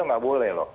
nggak boleh loh